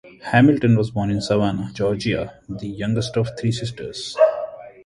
Hamilton was born in Savannah, Georgia, the youngest of three sisters.